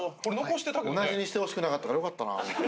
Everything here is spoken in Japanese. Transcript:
同じにしてほしくなかったからよかったな本当に。